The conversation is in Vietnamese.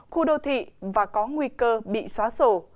khu đô thị và có nguy cơ bị xóa sổ